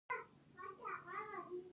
پوجي نو داسې کېږي.